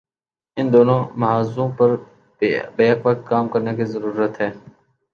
ان دونوں محاذوں پر بیک وقت کام کرنے کی ضرورت ہے۔